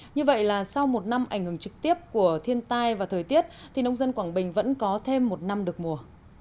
như vậy là sau một năm ảnh hưởng trực tiếp của thiên tai và thời tiết thì nông dân quảng bình vẫn có thêm một năm được mùa